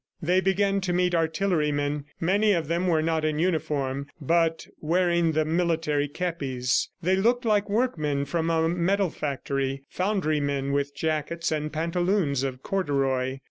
They began to meet artillerymen, many of them not in uniform but wearing the military kepis. They looked like workmen from a metal factory, foundrymen with jackets and pantaloons of corduroy.